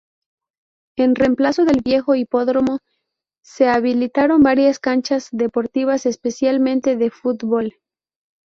En reemplazo del viejo hipódromo, se habilitaron varias canchas deportivas, especialmente de fútbol.